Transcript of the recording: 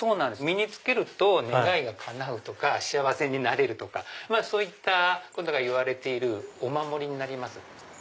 身に着けると願いが叶うとか幸せになれるとかそういったことがいわれているお守りになります。